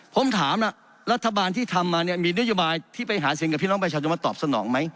ผมถามล่ะรัฐบาลที่ทำมาเนี่ยมีนโยบายที่ไปหาเสียงกับพี่น้องประชาชนมาตอบสนองไหม